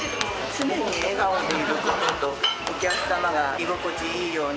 常に笑顔でいることと、お客様が居心地いいように。